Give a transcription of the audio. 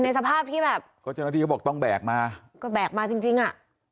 สภาพที่แบบก็เจ้าหน้าที่เขาบอกต้องแบกมาก็แบกมาจริงจริงอ่ะ